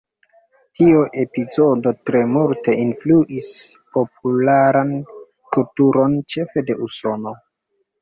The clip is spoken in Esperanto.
Tio epizodo tre multe influis popularan kulturon, ĉefe de Usono.